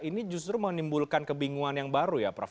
ini justru menimbulkan kebingungan yang baru ya prof